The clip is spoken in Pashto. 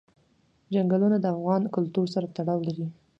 چنګلونه د افغان کلتور سره تړاو لري.